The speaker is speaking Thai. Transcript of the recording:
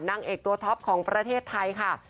นางเอกตัวท็อปของประเทศไทยค่ะ